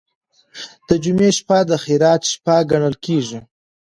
د جمعې شپه د خیرات شپه ګڼل کیږي.